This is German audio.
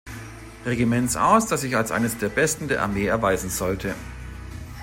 Regiments aus, das sich als eines der besten der Armee erweisen sollte.